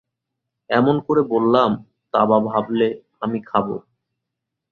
এমন করে বল্লাম তাবা ভাবলে আমি খাবো।